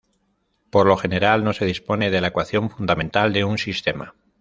Por lo general no se dispone de la ecuación fundamental de un sistema.